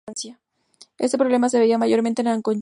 Este problema se veía mayormente en Aconchi.